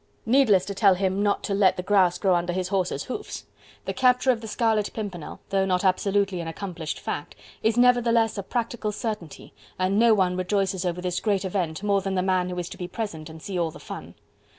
Needless to tell him not to let the grass grow under his horse's hoofs. The capture of the Scarlet Pimpernel, though not absolutely an accomplished fact, is nevertheless a practical certainty, and no one rejoices over this great event more than the man who is to be present and see all the fun.